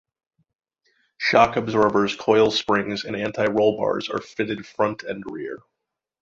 Shock absorbers, coil springs, and anti-roll bars are fitted front and rear.